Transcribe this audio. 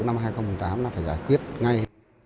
năm hai nghìn một mươi tám là phải giải quyết ngay